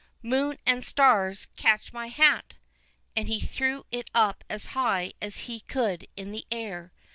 —Moon and stars, catch my hat!"—and he threw it up as high as he could into the air.